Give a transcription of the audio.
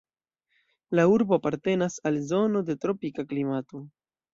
La urbo apartenas al zono de tropika klimato.